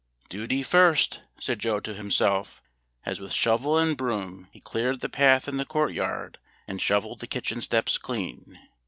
"Duty first," said Joe to himself, as with shovel and broom he cleared the path in the court yard, and shovelled the kitchen steps clean.